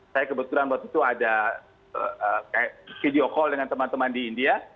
saya kebetulan waktu itu ada video call dengan teman teman di india